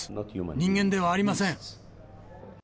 人間ではありません。